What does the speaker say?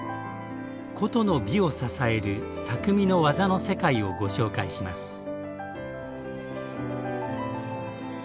古都の美を支える「匠の技の世界」をご紹介します。